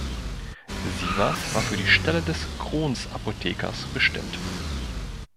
Sievers war für die Stelle des Krons-Apothekers bestimmt.